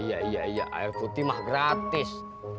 air putih mah gratis